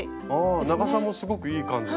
あ長さもすごくいい感じですもんね。